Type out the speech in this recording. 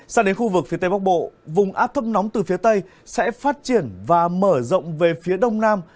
sang đến khu vực phía tây bắc bộ vùng áp thấp nóng từ phía tây sẽ phát triển và mở rộng về phía đông nam